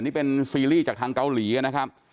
นี่เป็นซีรีส์จากทางเกาหลีนะครับ